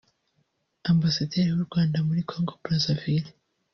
Ambasaderi w’u Rwanda muri Congo Brazzaville